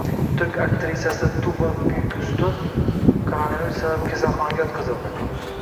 Turk aktrisasi Tuba Buyukustun koronavirus sabab kasalxonaga yotqizildi